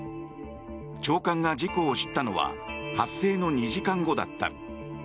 長官が事故を知ったのは発生の２時間後だった。